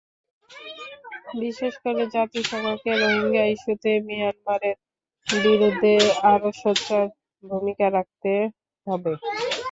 বিশেষ করে জাতিসংঘকে রোহিঙ্গা ইস্যুতে মিয়ানমারের বিরুদ্ধে আরও সোচ্চার ভূমিকা রাখতে হবে।